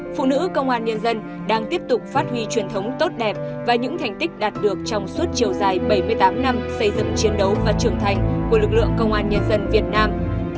phụ nữ công an nhân dân đang tiếp tục phát huy truyền thống tốt đẹp và những thành tích đạt được trong suốt chiều dài bảy mươi tám năm xây dựng chiến đấu và trưởng thành của lực lượng công an nhân dân việt nam